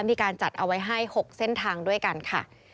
มีการจัดเอาไว้ให้๖เส้นทางด้วยกันค่ะ